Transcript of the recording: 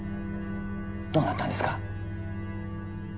どうなったんですか？